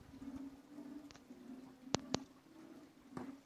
tani mojambili ya viazi inaweza patikana kwenywe hekari moja ya viazi